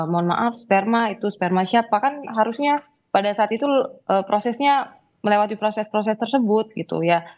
mohon maaf sperma itu sperma siapa kan harusnya pada saat itu prosesnya melewati proses proses tersebut gitu ya